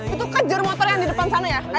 itu kan jarum motor yang di depan sana ya ayo cepetan